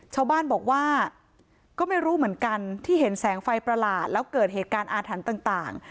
ชาวบ้านบอกว่าก็ไม่รู้เหมือนกันที่เห็นแสงไฟประหลาดแล้วเกิดเหตุการณ์อาถรรพ์ต่าง